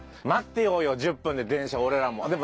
待っていようよ１０分で電車俺らも。